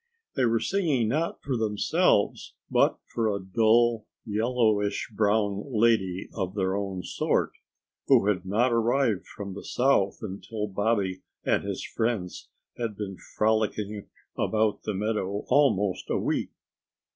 They were singing not for themselves but for a dull, yellowish brown lady of their own sort, who had not arrived from the South until Bobby and his friends had been frolicking about the meadow almost a week.